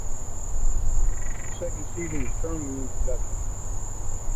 A second season is currently in production.